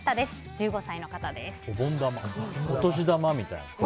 お年玉みたいな？